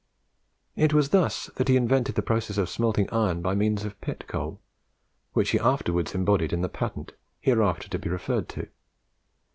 It was thus that he invented the process of smelting iron by means of pit coal which he afterwards embodied in the patent hereafter to be referred to.